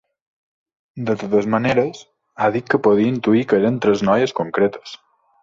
De totes maneres, ha dit que podia intuir que eren tres noies concretes.